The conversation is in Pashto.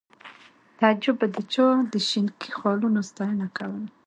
تعجب به د چا د شینکي خالونو ستاینه کوله